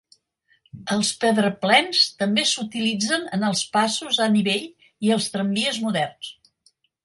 Els pedraplens també s'utilitzen en els passos a nivell i els tramvies moderns.